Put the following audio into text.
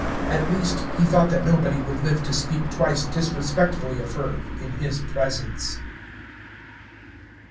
At least, he thought that nobody would live to speak twice disrespectfully of her in his presence.